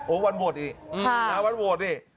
วันโหวตอีกวันโหวตนี่